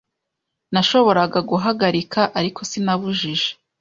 Nashoboraga guhagarika , ariko sinabujije